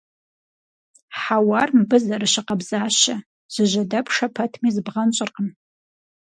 Хьэуар мыбы зэрыщыкъабзащэ, зыжьэдэпшэ пэтми, зыбгъэнщӀыркъым.